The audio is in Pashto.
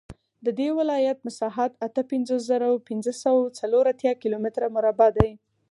د دې ولایت مساحت اته پنځوس زره پنځه سوه څلور اتیا کیلومتره مربع دی